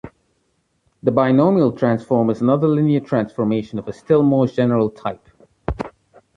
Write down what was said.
The binomial transform is another linear transformation of a still more general type.